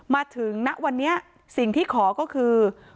มาถึงนะวันนี้สิ่งที่ขอก็คือ